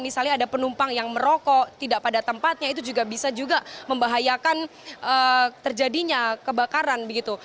misalnya ada penumpang yang merokok tidak pada tempatnya itu juga bisa juga membahayakan terjadinya kebakaran begitu